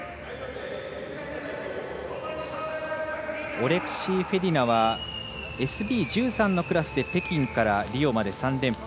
オレクシー・フェディナはＳＢ１３のクラスで北京からリオまで３連覇。